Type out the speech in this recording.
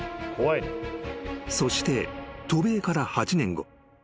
［そして渡米から８年後］